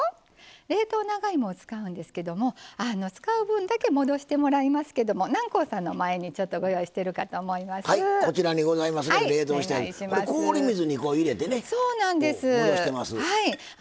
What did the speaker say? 冷凍長芋を使うんですけれども使う分だけ戻してもらいますけど南光さんの前にちょっとご用意しているかとこちらにございます。